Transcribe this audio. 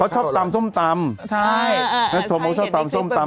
เขาเห็นไปตื่นเบื่อบ่อยครับใช่แม่ชมเขาชอบตำส้มตำ